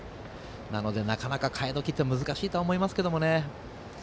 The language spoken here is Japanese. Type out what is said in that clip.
なので、なかなか代え時って難しいと思いますけどね。